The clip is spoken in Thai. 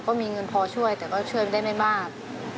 ก็มีเงินพอช่วยแต่ก็ช่วยได้ไม่มาก